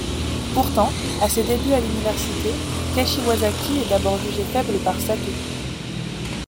Pourtant, à ses débuts à l'université, Kashiwazaki est d'abord jugé faible par Sato.